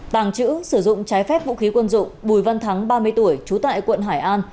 tàng trữ sử dụng trái phép vũ khí quân dụng bùi văn thắng ba mươi tuổi trú tại quận hải an